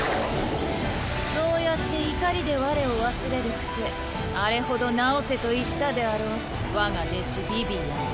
そうやって怒りで我を忘れる癖あれほど直せと言ったであろう我が弟子ビビアン。